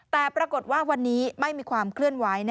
แต่ปรากฏว่าวันนี้ไม่มีความเคลื่อนไหว